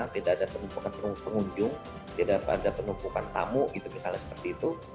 tidak ada penumpukan pengunjung tidak ada penumpukan tamu gitu misalnya seperti itu